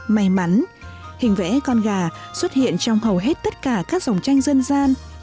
may mắn hình vẽ con gà xuất hiện trong hầu hết tất cả các dòng tranh dân gian